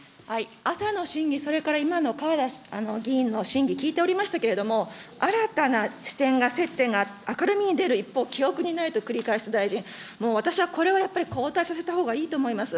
朝の審議、それから今の川田議員の質疑聞いておりましたけれども、新たな視点が、接点が明るみに出る一方、記憶にないと繰り返す、もう私はこれはやっぱり交代させたほうがいいと思います。